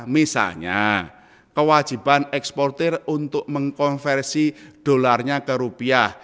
misalnya kewajiban eksportir untuk mengkonversi dolarnya ke rupiah